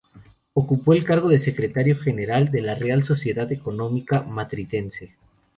Ocupó el cargo de secretario general de la Real Sociedad Económica Matritense.